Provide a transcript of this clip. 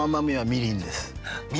みりん。